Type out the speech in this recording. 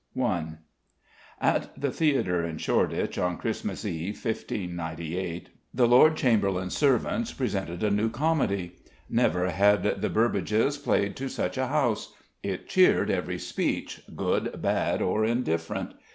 I At the theatre in Shoreditch, on Christmas Eve, 1598, the Lord Chamberlain's servants presented a new comedy. Never had the Burbages played to such a house. It cheered every speech good, bad, or indifferent.